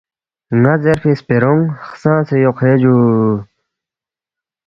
نا زیرفی خپیرونگ خسانگسے یوق ہے جوو